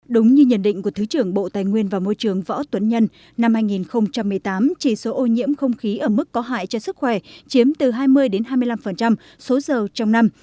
đúng như nhận định của thứ trưởng bộ tài nguyên và môi trường võ tuấn nhân năm hai nghìn một mươi tám chỉ số ô nhiễm không khí ở mức có hại cho sức khỏe chiếm từ hai mươi hai mươi năm số dầu trong năm